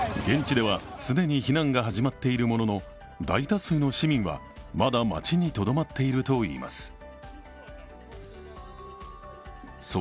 現地では既に避難が始まっているものの、大多数の市民は、まだ町にとどまっているといいます。